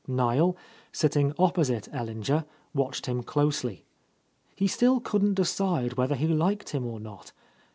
Niel, sitting opposite Ellinger, watched him closely. He still couldn't decide whether he liked him or not.